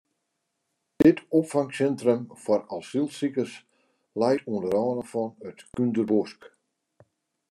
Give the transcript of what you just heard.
Dit opfangsintrum foar asylsikers leit oan de râne fan it Kúnderbosk.